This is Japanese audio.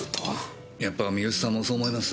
やっぱ三好さんもそう思います？